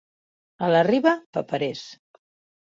A la Riba, paperers.